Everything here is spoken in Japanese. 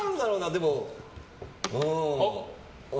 でも。